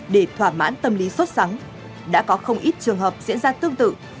để thoả mãn tâm lý sốt sắng đã có không ít trường hợp diễn ra tương tự